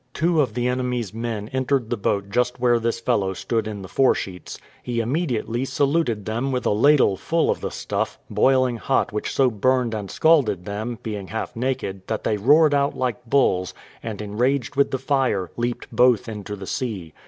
Two of the enemy's men entered the boat just where this fellow stood in the foresheets; he immediately saluted them with a ladle full of the stuff, boiling hot which so burned and scalded them, being half naked that they roared out like bulls, and, enraged with the fire, leaped both into the sea.